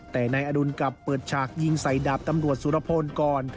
แต่นายอดุลกลับเปิดฉากยิงใส่ดาบตำรวจสุรพลก่อน